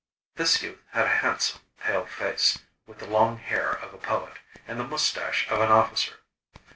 This youth had a handsome, pale face, with the long hair of a poet, and the moustache of an officer.